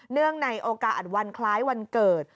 เนื่องในโอกาสอันคล้ายวันเกิด